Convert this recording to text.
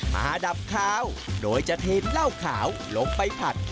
มาดำคาวโดยจะเทนเล้าขาวลงไปผัด